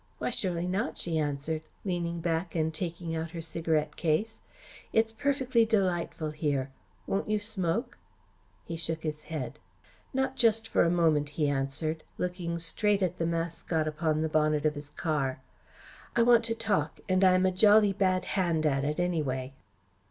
"Why, surely not," she answered, leaning back and taking out her cigarette case. "It's perfectly delightful here. Won't you smoke?" He shook his head. "Not just for a moment," he answered, looking straight at the mascot upon the bonnet of his car. "I want to talk and I'm a jolly bad hand at it, anyway."